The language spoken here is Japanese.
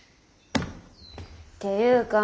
ていうか